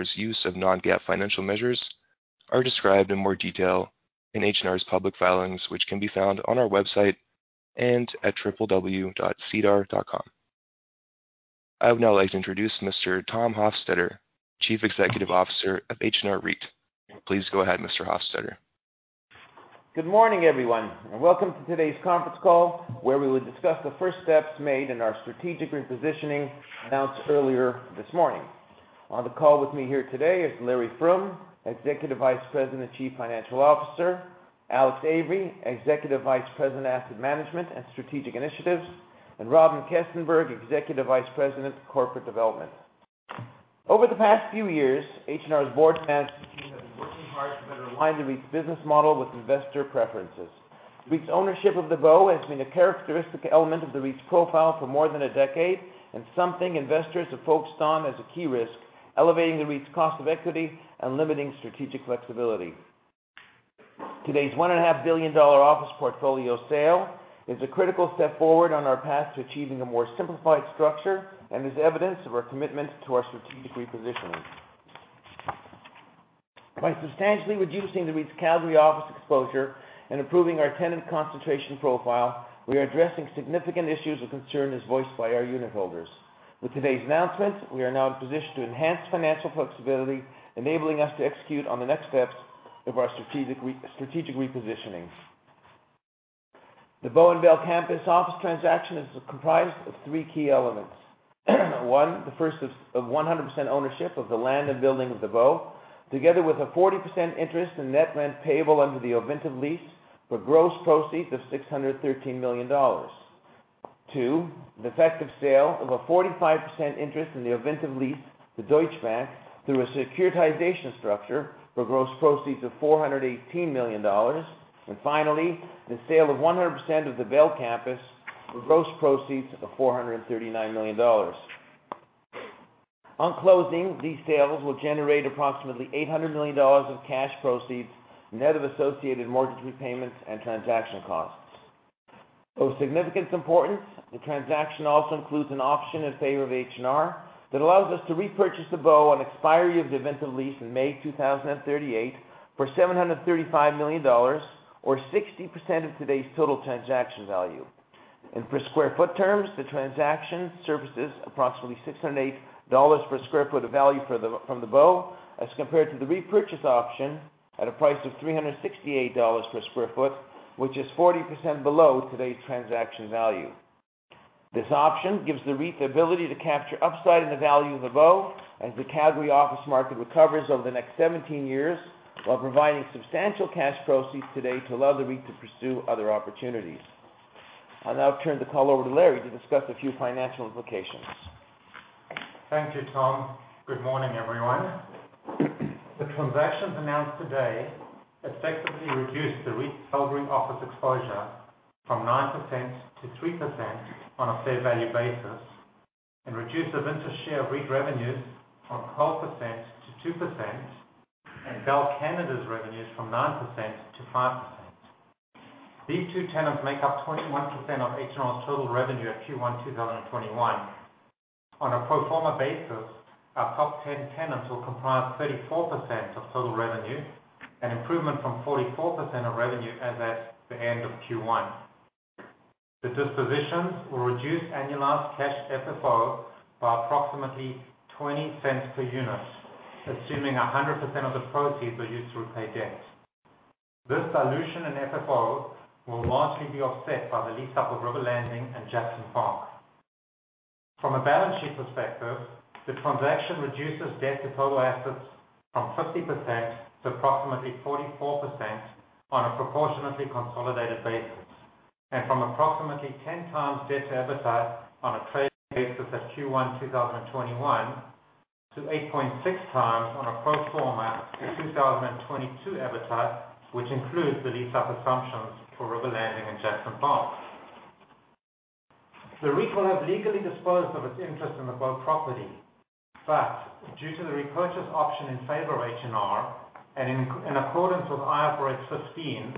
H&R's use of non-GAAP financial measures are described in more detail in H&R's public filings, which can be found on our website and at www.sedar.com. I would now like to introduce Mr. Tom Hofstedter, Chief Executive Officer of H&R REIT. Please go ahead, Mr. Hofstedter. Good morning, everyone, and welcome to today's conference call, where we will discuss the first steps made in our strategic repositioning announced earlier this morning. On the call with me here today is Larry Froom, Executive Vice President and Chief Financial Officer, Alex Avery, Executive Vice President, Asset Management and Strategic Initiatives, and Robyn Kestenberg, Executive Vice President, Corporate Development. Over the past few years, H&R's board management team has been working hard to better align the REIT's business model with investor preferences. REIT's ownership of The Bow has been a characteristic element of the REIT's profile for more than a decade and something investors have focused on as a key risk, elevating the REIT's cost of equity and limiting strategic flexibility. Today's 1.5 billion dollar office portfolio sale is a critical step forward on our path to achieving a more simplified structure and is evidence of our commitment to our strategic repositioning. By substantially reducing the REIT's Calgary office exposure and improving our tenant concentration profile, we are addressing significant issues of concern as voiced by our unitholders. With today's announcement, we are now in position to enhance financial flexibility, enabling us to execute on the next steps of our strategic repositioning. The Bow and Bell Campus office transaction is comprised of three key elements. One. The first is of 100% ownership of the land and building of The Bow, together with a 40% interest in net land payable under the Ovintiv lease for gross proceeds of 613 million dollars. Two, the effective sale of a 45% interest in the Ovintiv lease to Deutsche Bank through a securitization structure for gross proceeds of 418 million dollars. Finally, the sale of 100% of the Bell Campus for gross proceeds of 439 million dollars. On closing, these sales will generate approximately 800 million dollars of cash proceeds, net of associated mortgage repayments and transaction costs. Of significant importance, the transaction also includes an option in favor of H&R that allows us to repurchase The Bow on expiry of the Ovintiv lease in May 2038 for 735 million dollars, or 60% of today's total transaction value. Per square foot terms, the transaction services approximately 608 dollars per square foot of value from The Bow, as compared to the repurchase option at a price of 368 dollars per square foot, which is 40% below today's transaction value. This option gives the REIT the ability to capture upside in the value of The Bow as the Calgary office market recovers over the next 17 years while providing substantial cash proceeds today to allow the REIT to pursue other opportunities. I'll now turn the call over to Larry to discuss a few financial implications. Thank you, Tom. Good morning, everyone. The transactions announced today effectively reduce the REIT's held office exposure from 9%-3% on a fair value basis and reduce Ovintiv's share of REIT revenues from 12%-2%, and Bell Canada's revenues from 9%-5%. These two tenants make up 21% of H&R's total revenue at Q1 2021. On a pro forma basis, our top 10 tenants will comprise 34% of total revenue, an improvement from 44% of revenue as at the end of Q1. The dispositions will reduce annualized cash FFO by approximately 0.20 per unit, assuming 100% of the proceeds were used to repay debt. This dilution in FFO will largely be offset by the lease up of River Landing and Jackson Park. From a balance sheet perspective, the transaction reduces debt to total assets from 50% to approximately 44% on a proportionately consolidated basis. From approximately 10x debt to EBITDA on a trailing basis at Q1 2021 to 8.6x on a pro forma 2022 EBITDA, which includes the lease-up assumptions for River Landing and Jackson Park. The REIT will have legally disposed of its interest in The Bow property, but due to the repurchase option in favor of H&R and in accordance with IFRIC 15,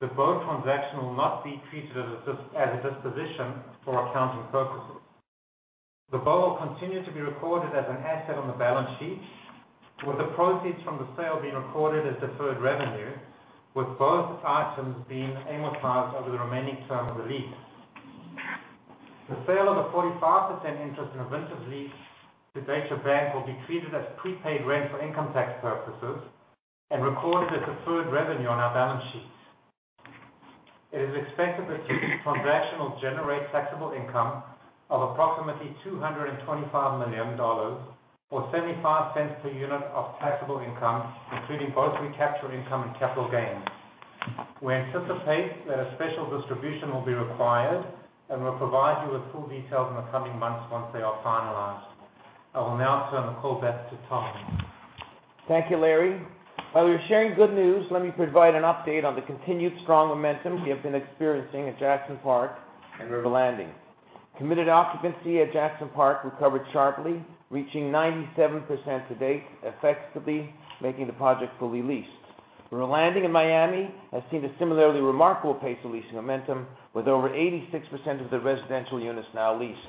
The Bow transaction will not be treated as a disposition for accounting purposes. The Bow will continue to be recorded as an asset on the balance sheet, with the proceeds from the sale being recorded as deferred revenue, with both items being amortized over the remaining term of the lease. The sale of the 45% interest in Ovintiv lease to Deutsche Bank will be treated as prepaid rent for income tax purposes and recorded as deferred revenue on our balance sheets. It is expected that this transaction will generate taxable income of approximately 225 million dollars, or 0.75 per unit of taxable income, including both recapture income and capital gains. We anticipate that a special distribution will be required and will provide you with full details in the coming months once they are finalized. I will now turn the call back to Tom. Thank you, Larry. While we are sharing good news, let me provide an update on the continued strong momentum we have been experiencing at Jackson Park and River Landing. Committed occupancy at Jackson Park recovered sharply, reaching 97% to date, effectively making the project fully leased. River Landing in Miami has seen a similarly remarkable pace of leasing momentum with over 86% of the residential units now leased.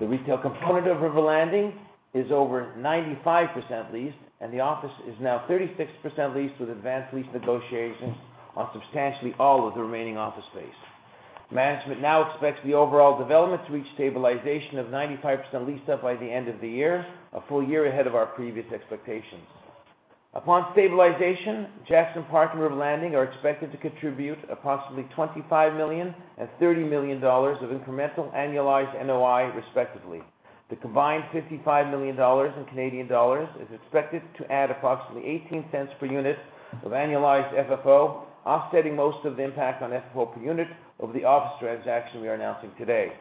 The retail component of River Landing is over 95% leased, and the office is now 36% leased with advanced lease negotiations on substantially all of the remaining office space. Management now expects the overall development to reach stabilization of 95% leased up by the end of the year, a full year ahead of our previous expectations. Upon stabilization, Jackson Park and River Landing are expected to contribute approximately 25 million and 30 million dollars of incremental annualized NOI, respectively. The combined 55 million dollars is expected to add approximately 0.18 per unit of annualized FFO, offsetting most of the impact on FFO per unit of the office transaction we are announcing today.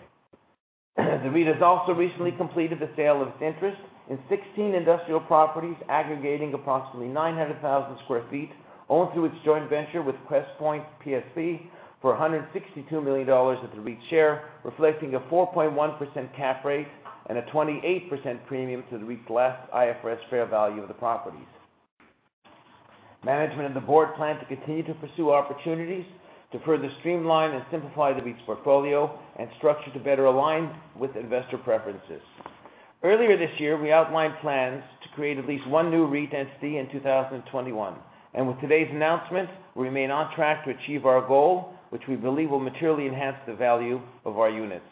The REIT has also recently completed the sale of its interest in 16 industrial properties aggregating approximately 900,000 sq ft, owned through its joint venture with Crestpoint and PSP, for 162 million dollars at the REIT share, reflecting a 4.1% cap rate and a 28% premium to the REIT's last IFRS fair value of the properties. Management and the board plan to continue to pursue opportunities to further streamline and simplify the REIT's portfolio and structure to better align with investor preferences. Earlier this year, we outlined plans to create at least one new REIT entity in 2021. With today's announcement, we remain on track to achieve our goal, which we believe will materially enhance the value of our units.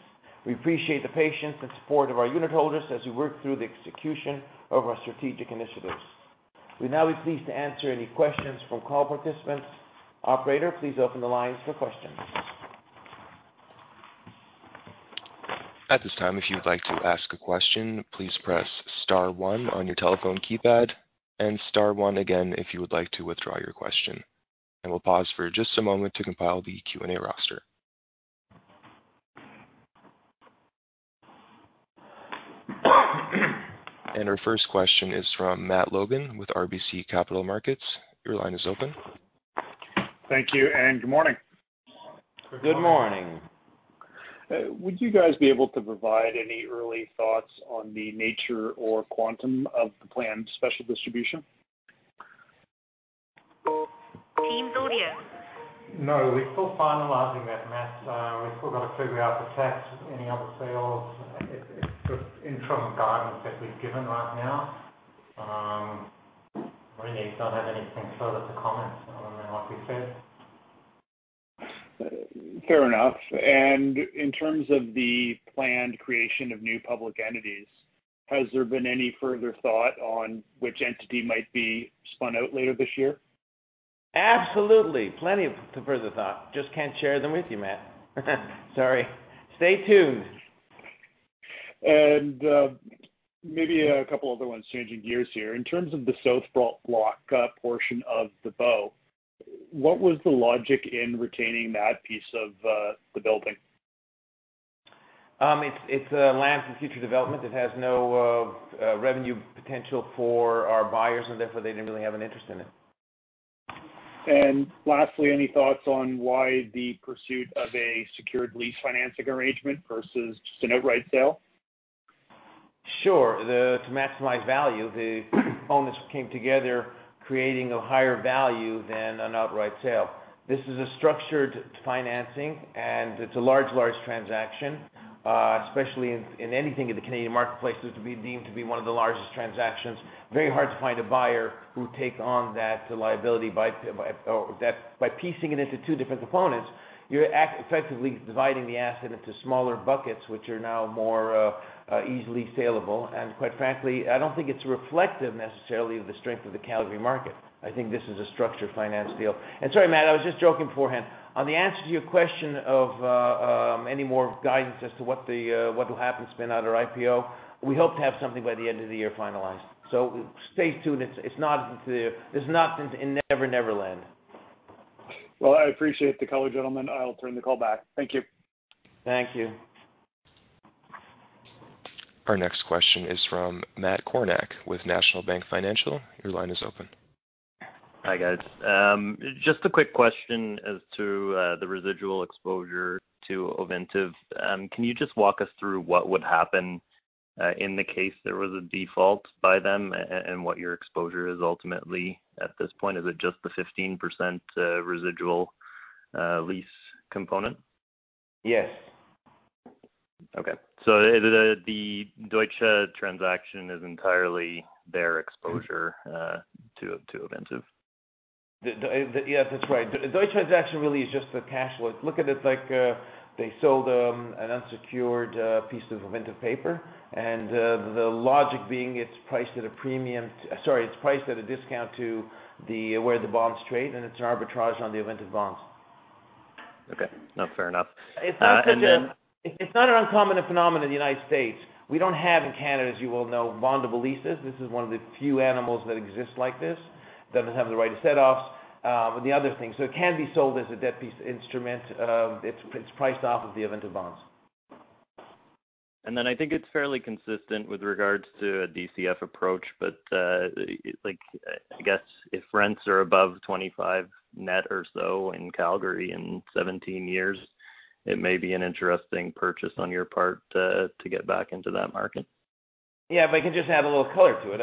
We appreciate the patience and support of our unitholders as we work through the execution of our strategic initiatives. We'd now be pleased to answer any questions from call participants. Operator, please open the lines for questions. At this time, if you'd like to ask a question, please press star one on your telephone keypad and star one again if you would like to withdraw your question. We'll pause for just a moment to compile the Q&A roster. Our first question is from Matt Logan with RBC Capital Markets. Your line is open. Thank you, good morning. Good morning. Would you guys be able to provide any early thoughts on the nature or quantum of the planned special distribution? No, we're still finalizing that, Matt. We've still got to figure out the tax, any other sales. It's just interim guidance that we've given right now. Really don't have anything further to comment other than what we've said. Fair enough. In terms of the planned creation of new public entities, has there been any further thought on which entity might be spun out later this year? Absolutely. Plenty of further thought. Just can't share them with you, Matt. Sorry. Stay tuned. Maybe a couple other ones, changing gears here. In terms of the South Block portion of The Bow, what was the logic in retaining that piece of the building? It's land for future development. It has no revenue potential for our buyers and therefore they didn't really have an interest in it. Lastly, any thoughts on why the pursuit of a secured lease financing arrangement versus just an outright sale? Sure. To maximize value, the components came together creating a higher value than an outright sale. This is a structured financing. It's a large transaction, especially in anything in the Canadian marketplace, this would be deemed to be one of the largest transactions. Very hard to find a buyer who take on that liability. By piecing it into two different components, you're effectively dividing the asset into smaller buckets, which are now more easily sellable. Quite frankly, I don't think it's reflective necessarily of the strength of the Calgary market. I think this is a structured finance deal. Sorry, Matt, I was just joking beforehand. On the answer to your question of any more guidance as to what will happen, spin out or IPO, we hope to have something by the end of the year finalized. Stay tuned. It's not in Neverland. Well, I appreciate the color, gentlemen. I'll turn the call back. Thank you. Thank you. Our next question is from Matt Kornack with National Bank Financial. Your line is open. Hi, guys. Just a quick question as to the residual exposure to Ovintiv. Can you just walk us through what would happen, in the case there was a default by them and what your exposure is ultimately at this point? Is it just the 15% residual lease component? Yes. Okay. The Deutsche transaction is entirely their exposure to Ovintiv. Yes, that's right. The Deutsche transaction really is just the cash flow. Look at it like they sold an unsecured piece of Ovintiv paper, and the logic being it's priced at a discount to where the bonds trade, and it's an arbitrage on the Ovintiv bonds. Okay. No, fair enough. It's not an uncommon phenomenon in the United States. We don't have in Canada, as you well know, bondable leases. This is one of the few animals that exist like this. Doesn't have the right of set-off, the other thing. It can be sold as a debt piece instrument. It's priced off of the Ovintiv bonds. I think it's fairly consistent with regards to a DCF approach. I guess if rents are above 25 net or so in Calgary in 17 years, it may be an interesting purchase on your part to get back into that market. Yeah. If I can just add a little color to it.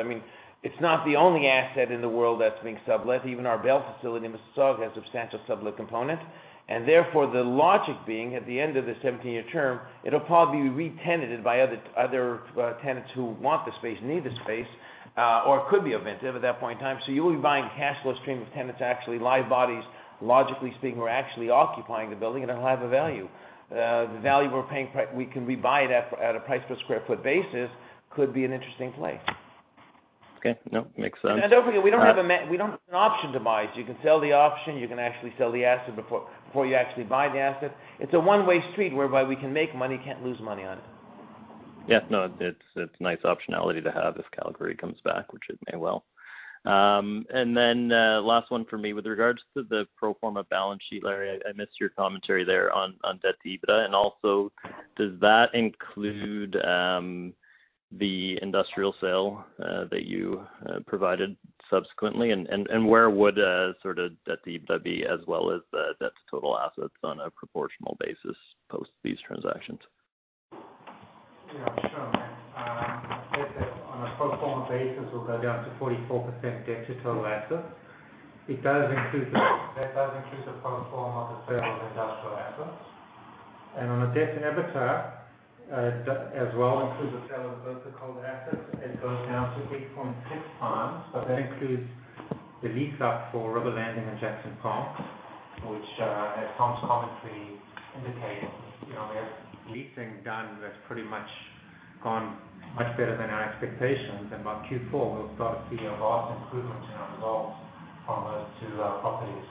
It's not the only asset in the world that's being sublet. Even our Bell facility in Mississauga has a substantial sublet component. Therefore, the logic being, at the end of the 17-year term, it'll probably be re-tenanted by other tenants who want the space, need the space, or could be Ovintiv at that point in time. You will be buying a cash flow stream of tenants, actually live bodies, logically speaking, who are actually occupying the building, and it'll have a value. The value we're paying, we can rebuy it at a price per square foot basis, could be an interesting play. Okay. No, makes sense. Don't forget, we don't have an option to buy. You can sell the option, you can actually sell the asset before you actually buy the asset. It's a one-way street whereby we can make money, can't lose money on it. No, it's nice optionality to have if Calgary comes back, which it may well. Then last one from me. With regards to the pro forma balance sheet, Larry, I missed your commentary there on debt to EBITDA. Also, does that include the industrial sale that you provided subsequently? Where would debt to EBITDA be, as well as debt to total assets on a proportional basis post these transactions? Yeah, sure. On a pro forma basis, we'll go down to 44% debt to total assets. That does include the pro forma of the sale of industrial assets. On the debt to EBITDA, as well includes the sale of both the sold assets. It goes down to 8.6 times, that includes the lease up for River Landing and Jackson Park, which as Tom's commentary indicated, we have leasing done that's pretty much gone much better than our expectations. By Q4, we'll start to see a vast improvement in our results from those two properties.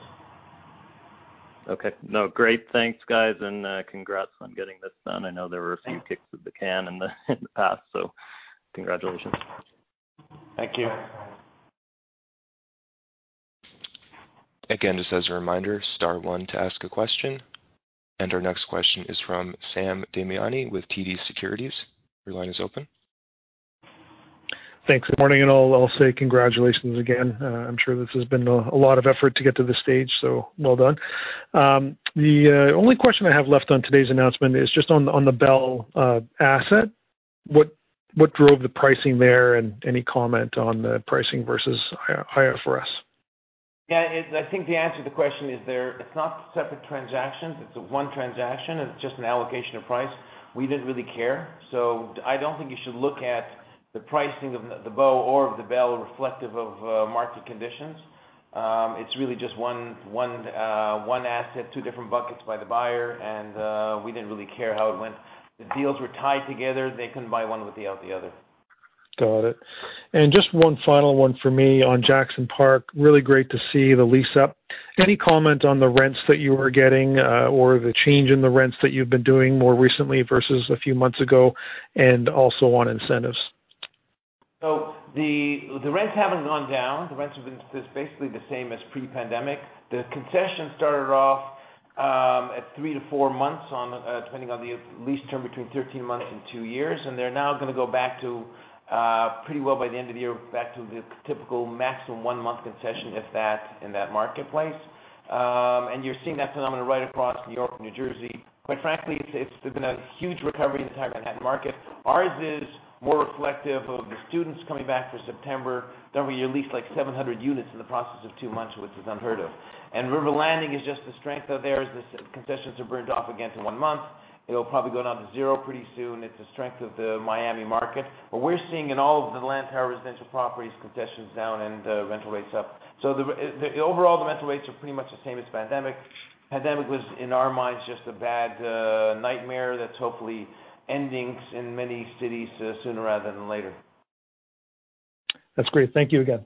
Okay. No, great. Thanks, guys, and congrats on getting this done. I know there were a few kicks of the can in the past, so congratulations. Thank you. Again, just as a reminder, star one to ask a question. Our next question is from Sam Damiani with TD Securities. Your line is open. Thanks. Good morning, I'll say congratulations again. I'm sure this has been a lot of effort to get to this stage, so well done. The only question I have left on today's announcement is just on the Bell asset. What drove the pricing there, and any comment on the pricing versus IFRS? I think the answer to the question is there, it's not separate transactions, it's one transaction. It's just an allocation of price. We didn't really care. I don't think you should look at the pricing of the Bow or of the Bell reflective of market conditions. It's really just one asset, two different buckets by the buyer, and we didn't really care how it went. The deals were tied together. They couldn't buy one without the other. Got it. Just one final one for me on Jackson Park. Really great to see the lease-up. Any comment on the rents that you are getting or the change in the rents that you've been doing more recently versus a few months ago, and also on incentives? The rents haven't gone down. The rents have been basically the same as pre-pandemic. The concession started off at three to four months, depending on the lease term between 13 months and two years. They're now going to go back to, pretty well by the end of the year, back to the typical maximum one month concession, if that, in that marketplace. You're seeing that phenomenon right across New York, New Jersey. Quite frankly, there's been a huge recovery in the entire Manhattan market. Ours is more reflective of the students coming back for September. We lease like 700 units in the process of two months, which is unheard of. River Landing is just the strength of theirs. The concessions are burned off again to one month. It'll probably go down to zero pretty soon. It's the strength of the Miami market. We're seeing in all of the Lantower residential properties, concessions down and rental rates up. Overall, the rental rates are pretty much the same as pandemic. pandemic was, in our minds, just a bad nightmare that's hopefully ending in many cities sooner rather than later. That's great. Thank you again.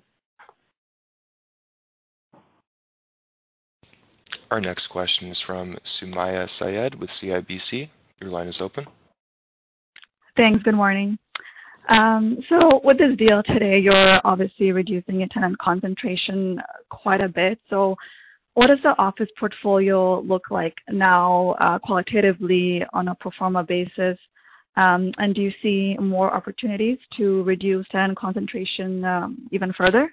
Our next question is from Sumayya Syed with CIBC. Your line is open. Thanks. Good morning. With this deal today, you're obviously reducing your tenant concentration quite a bit. What does the office portfolio look like now qualitatively on a pro forma basis? Do you see more opportunities to reduce tenant concentration even further?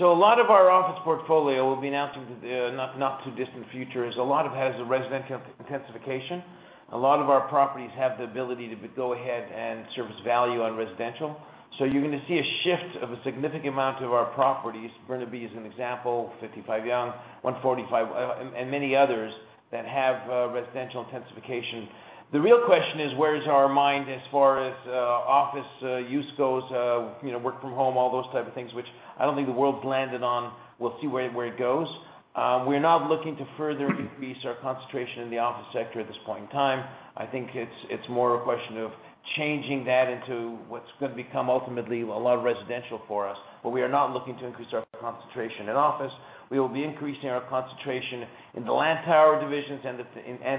A lot of our office portfolio will be announced in the not too distant future, is a lot of it has a residential intensification. A lot of our properties have the ability to go ahead and service value on residential. You're going to see a shift of a significant amount of our properties. Burnaby is an example. 55 Yonge, 145, and many others that have residential intensification. The real question is where is our mind as far as office use goes, work from home, all those type of things, which I don't think the world's landed on. We'll see where it goes. We're not looking to further increase our concentration in the office sector at this point in time. I think it's more a question of changing that into what's going to become ultimately a lot of residential for us, but we are not looking to increase our concentration in office. We will be increasing our concentration in the Lantower divisions and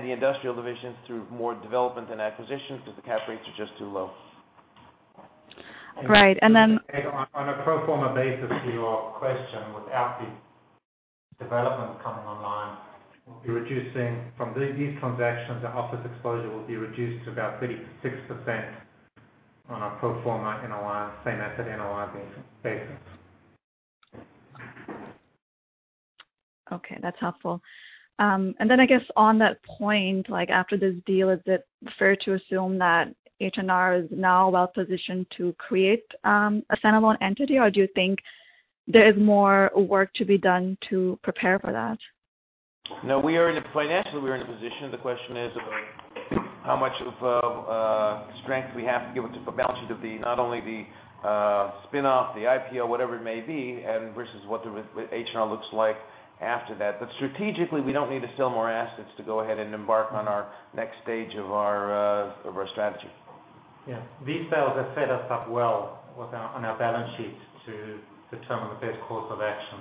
the industrial divisions through more development and acquisitions because the cap rates are just too low. Right. On a pro forma basis to your question, without the developments coming online, we'll be reducing from these transactions, the office exposure will be reduced to about 36% on a pro forma NOI, same-asset NOI basis. Okay, that's helpful. I guess on that point, after this deal, is it fair to assume that H&R is now well-positioned to create a stand-alone entity? Do you think there is more work to be done to prepare for that? No, financially, we are in a position. The question is about how much of a strength we have to give it to balance it, of not only the spin-off, the IPO, whatever it may be, versus what the H&R looks like after that. Strategically, we don't need to sell more assets to go ahead and embark on our next stage of our strategy. Yeah. These sales have set us up well on our balance sheet to determine the best course of action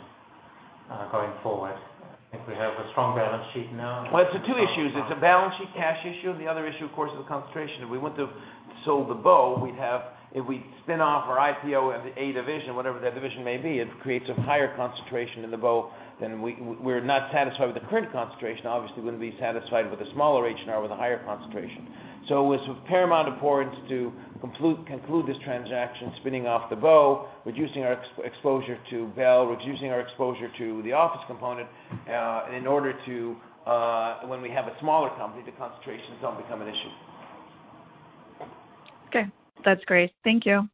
going forward. I think we have a strong balance sheet now. It's two issues. It's a balance sheet cash issue, and the other issue, of course, is concentration. If we want to sell the Bow, if we spin off our IPO and the A division, whatever that division may be, it creates a higher concentration in the Bow. We're not satisfied with the current concentration, obviously wouldn't be satisfied with a smaller H&R with a higher concentration. It's of paramount importance to conclude this transaction, spinning off the Bow, reducing our exposure to Bell, reducing our exposure to the office component, in order to, when we have a smaller company, the concentrations don't become an issue. Okay. That's great. Thank you.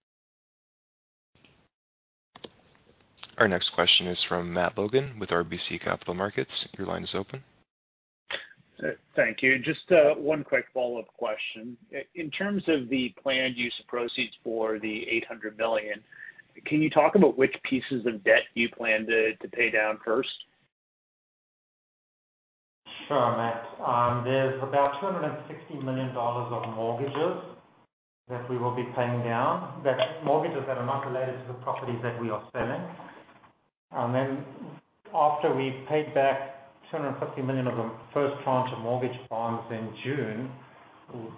Our next question is from Matt Logan with RBC Capital Markets. Your line is open. Thank you. Just one quick follow-up question. In terms of the planned use of proceeds for the 800 million, can you talk about which pieces of debt you plan to pay down first? Sure, Matt. There's about 260 million dollars of mortgages that we will be paying down, that's mortgages that are not related to the properties that we are selling. After we paid back 250 million of a first tranche of mortgage bonds in June,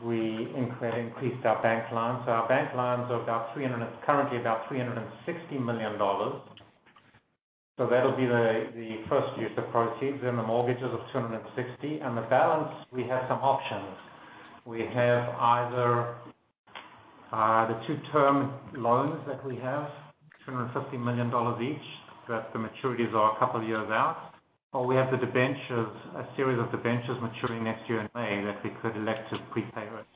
we increased our bank lines. Our bank lines are currently about 360 million dollars. That'll be the first use of proceeds, then the mortgages of 260 million. The balance, we have some options. We have either the two term loans that we have, 250 million dollars each, that the maturities are a couple of years out, or we have the debentures, a series of debentures maturing next year in May that we could elect to prepay it.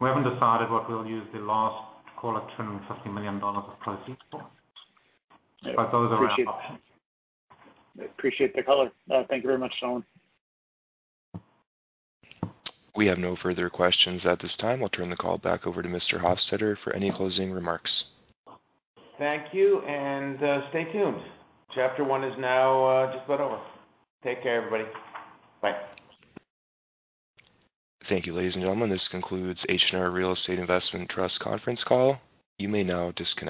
We haven't decided what we'll use the last, call it 250 million dollars of proceeds for. Those are our options. Appreciate the color. Thank you very much, gentlemen. We have no further questions at this time. I'll turn the call back over to Mr. Hofstedter for any closing remarks. Thank you, and stay tuned. Chapter one is now just about over. Take care, everybody. Bye. Thank you, ladies and gentlemen. This concludes H&R Real Estate Investment Trust conference call. You may now disconnect.